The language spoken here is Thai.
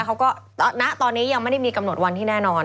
ณตอนนี้ยังไม่ได้มีกำหนดวันที่แน่นอน